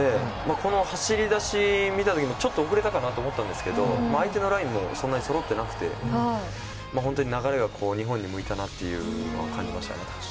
この走り出しを見た時ちょっと遅れたかなと思ったんですけど相手のラインはそんなにそろってなくて本当に流れが日本に向いたなというのを感じました。